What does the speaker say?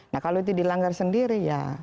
nah kalau itu dilanggar sendiri ya